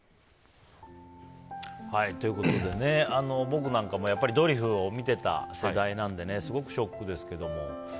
僕なんかもドリフを見てた世代なのですごくショックですけれども。